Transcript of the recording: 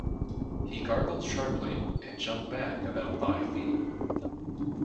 He gargled sharply, and jumped back about five feet.